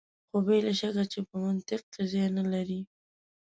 خو بې له شکه چې په منطق کې ځای نه لري.